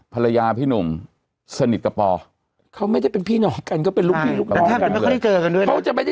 ภรรยาพี่หนุ่มสนิทกับพ่อเขาไม่ได้เป็นพี่น้องกันก็เป็นลูกพี่ลูกพ่อ